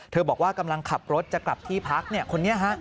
บอกว่ากำลังขับรถจะกลับที่พักคนนี้ฮะ